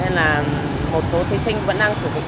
nên là một số thí sinh vẫn đang sử dụng